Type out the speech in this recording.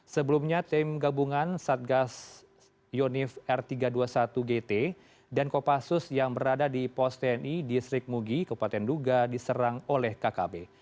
sebelumnya tim gabungan satgas yonif r tiga ratus dua puluh satu gt dan kopassus yang berada di pos tni distrik mugi kabupaten duga diserang oleh kkb